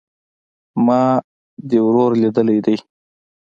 ما دي ورور ليدلى دئ